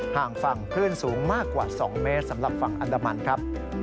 ห่างฝั่งคลื่นสูงมากกว่า๒เมตรสำหรับฝั่งอันดามันครับ